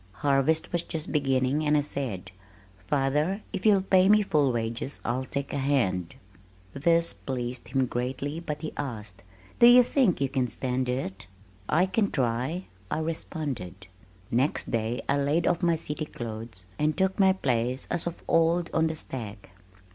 Harvest was just beginning, and I said, "Father, if you'll pay me full wages, I'll take a hand." This pleased him greatly, but he asked, "Do you think you can stand it?" "I can try," I responded. Next day I laid off my city clothes and took my place as of old on the stack.